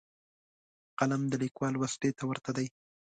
قلم د لیکوال وسلې ته ورته دی